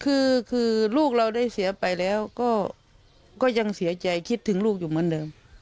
คือลูกเราได้เสียไปแล้วก็ยังเสียใจคิดถึงลูกอยู่เหมือนเดิม